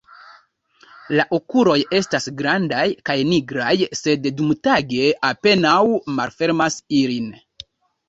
La okuloj estas grandaj kaj nigraj, sed dumtage apenaŭ malfermas ilin.